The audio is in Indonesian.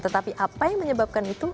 tetapi apa yang menyebabkan itu